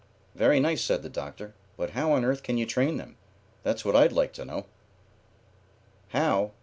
"Very nice," said the Doctor. "But how on earth can you train them? That's what I'd like to know." "How?